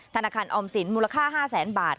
ธนาคารออมสินมูลค่า๕แสนบาท